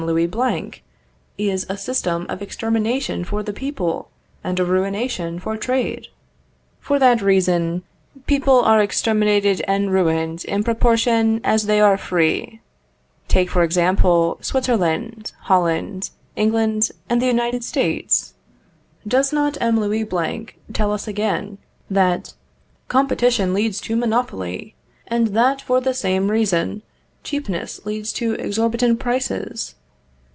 Louis Blanc, is a system of extermination for the people, and of ruination for trade? For that reason people are exterminated and ruined in proportion as they are free take, for example, Switzerland, Holland, England, and the United States? Does not M. Louis Blanc tell us again, that _competition leads to monopoly, and that, for the same reason, cheapness leads to exorbitant prices?